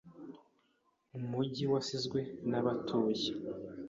Umujyi wasizwe nabatuye.